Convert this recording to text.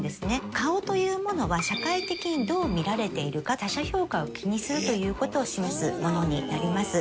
顔というものは社会的にどう見られているか他者評価を気にするという事を示すものになります。